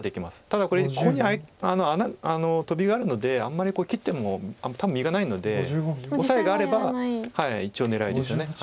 ただここにトビがあるのであんまり切っても多分実がないのでオサエがあれば一応狙いですよね。